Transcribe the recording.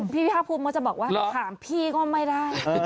พี่ภาคภูมิก็จะบอกว่าถามพี่ก็ไม่ได้